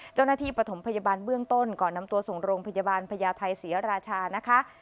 เจ้าหน้าที่ปฐมพยาบาลเบื้องต้นก่อนนำตัวส่งโรงพยาบาลพญาไทยเสียราชานะคะ